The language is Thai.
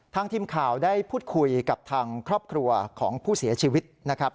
ทีมข่าวได้พูดคุยกับทางครอบครัวของผู้เสียชีวิตนะครับ